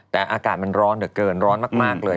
แต่อากาศมันร้อนเหลือเกินร้อนมากเลย